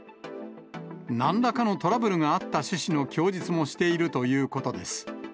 なんらかのトラブルがあった趣旨の供述もしているということです。